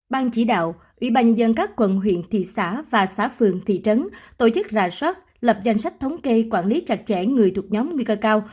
ban chỉ đạo ủy ban nhân các quận huyện thị xã và xã phường thị trấn tổ chức rà soát lập danh sách thống kê quản lý chặt chẽ người thuộc nhóm nguy cơ cao